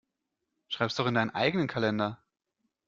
Schreib es doch in deinen eigenen Kalender.